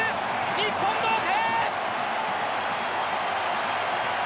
日本同点。